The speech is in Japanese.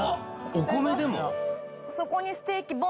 お米でも？